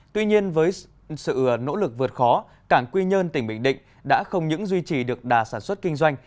tuy nhiên với sự nỗ lực vượt khó cảng quy nhơn tỉnh bình định đã không những duy trì được đà sản xuất kinh doanh